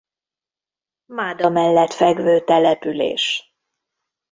Máda mellett fekvő település.